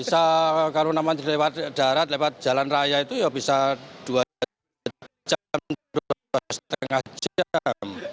bisa kalau lewat darat lewat jalan raya itu bisa dua jam dua setengah jam